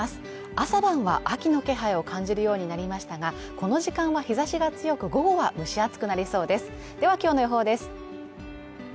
朝晩は秋の気配を感じるようになりましたがこの時間は日差しが強く午後は蒸し暑くなりそうです